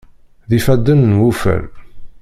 D ifadden n wuffal.